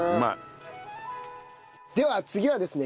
では次はですね